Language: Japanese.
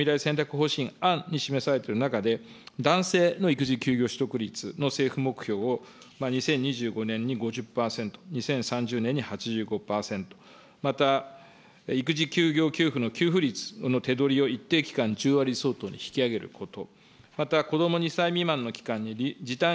また先ほど申し上げた子ども法案について示されている中に、男性の育児休業取得率の政府目標を２０２５年に５０％、２０３０年に８５％、また育児休業給付の手取りを一定期間、引き上げること。